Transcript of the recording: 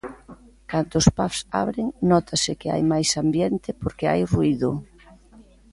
Cando os pubs abren, nótase que hai máis ambiente porque hai ruído.